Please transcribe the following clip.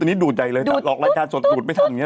อันนี้ดูดใจเลยถ้าออกรายการสดดูดไม่ทักมือ